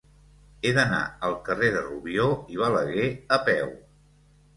He d'anar al carrer de Rubió i Balaguer a peu.